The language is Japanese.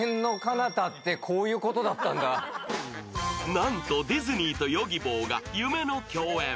なんとディズニーとＹｏｇｉｂｏが夢の共演。